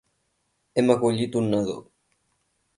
Hem acollit un nadó.